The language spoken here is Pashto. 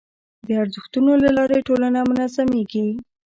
د ارزښتونو له لارې ټولنه منظمېږي.